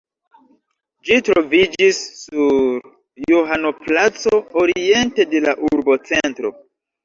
Ĝi troviĝis sur Johano-placo, oriente de la urbocentro.